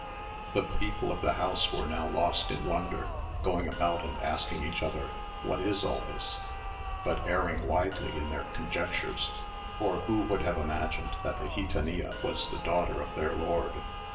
The people of the house were now lost in wonder, going about and asking each other, "What is all this?" but erring widely in their conjectures; for who would have imagined that the gitanilla was the daughter of their lord?